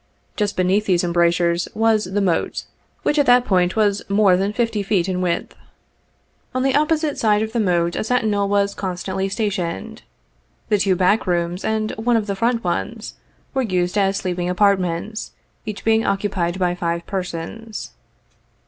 Just beneath these embrasures was the moat, which at that point was more than fifty feet in width. On the opposite side of the moat a sentinel was constantly stationed. The two back rooms and one of the front ones we used as sleeping apartments, each being occupied by five persons.